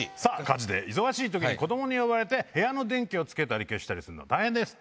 家事で忙しい時子供に呼ばれて部屋の電気をつけたり消したり大変です。